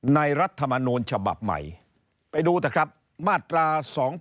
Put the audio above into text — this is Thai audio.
ในรัฐธรรมนูญฉบับใหม่ไปดูแต่ครับมาตรา๒๒๖๘